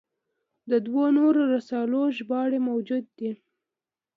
د دوو نورو رسالو ژباړې موجودې دي.